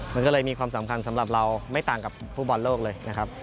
มันก็เลยมีความสำคัญสำหรับเราไม่ต่างกับฟุตบอลโลกเลยนะครับ